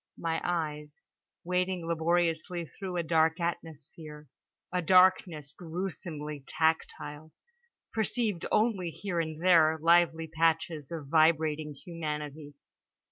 My eyes, wading laboriously through a dark atmosphere, a darkness gruesomely tactile, perceived only here and there lively patches of vibrating humanity.